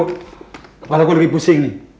kepala ku lagi pusing nih